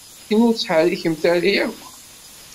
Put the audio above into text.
Qqimemt akken ur ttḥerrikemt ara akk.